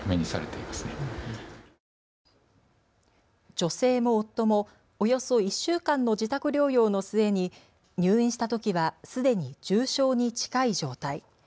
女性も夫もおよそ１週間の自宅療養の末に入院したときはすでに重症に近い状態。